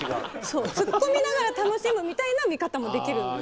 突っ込みながら楽しむみたいな見方もできるんです。